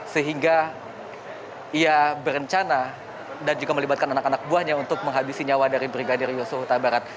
sehingga ia berencana dan juga melibatkan anak anak buahnya untuk menghabisi nyawa dari brigadir yosua huta barat